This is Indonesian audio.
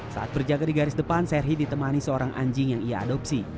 saat berjaga di garis depan serhi ditemani seorang anjing yang ia adopsi